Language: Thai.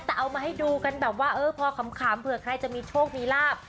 แต่เอามาให้ดูกันแบบว่าเออพอขำเผื่อใครจะมีโชคมีลาบ